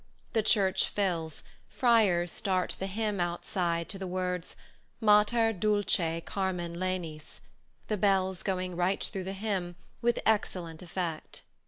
The church fills, friars start the hymn outside to the words, "Mater dulce carmen lenis," the bells going right through the hymn with excellent effect.